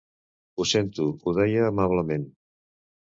Ho sento, ho deia amablement.